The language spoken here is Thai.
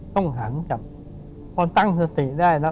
ต้องหันจับพอตั้งสติได้